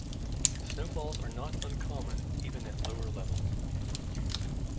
Snowfalls are not uncommon even at lower levels.